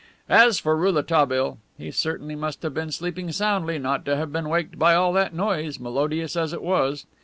As for Rouletabille, he certainly must have been sleeping soundly not to have been waked by all that noise, melodious as it was.